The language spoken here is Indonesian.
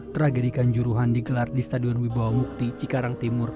teragirikan juruhan digelar di stadion wibawa mukti cikarang timur